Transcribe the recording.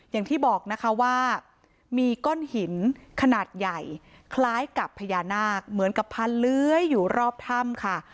อย่างที่บอกนะคะว่ามีก้อนหินขนาดใหญ่คล้ายกับพญานาคเหมือนกับพันเลื้อยอยู่รอบถ้ำค่ะ